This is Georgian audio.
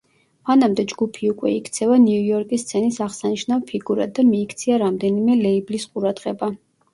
მანამდე ჯგუფი უკვე იქცევა ნიუ-იორკის სცენის აღსანიშნავ ფიგურად და მიიქცია რამდენიმე ლეიბლის ყურადღება.